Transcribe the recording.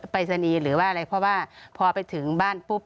รายศนีย์หรือว่าอะไรเพราะว่าพอไปถึงบ้านปุ๊บ